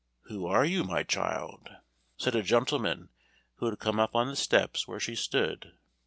"Who are you, my child?" said a gentleman who had come up on the steps where she stood.